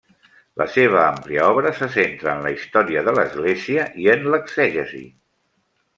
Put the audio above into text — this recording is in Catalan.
La seva àmplia obra se centra en la història de l'Església i en l'exegesi.